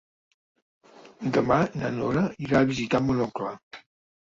Demà na Nora irà a visitar mon oncle.